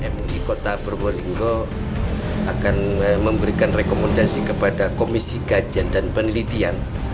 mui kota probolinggo akan memberikan rekomendasi kepada komisi kajian dan penelitian